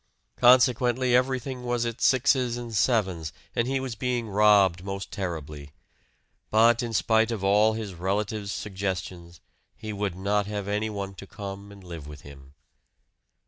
Consequently everything was at sixes and sevens, and he was being robbed most terribly. But in spite of all his relatives' suggestions, he would not have anyone to come and live with him.